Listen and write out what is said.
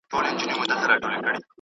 دودیزه کرنه لږ حاصل ورکوي.